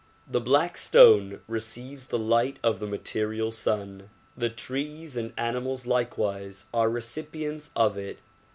The black stone receives the light of the material sun; the trees and animals likewise are recipients of it.